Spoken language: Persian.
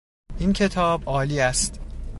این کتاب عالی است.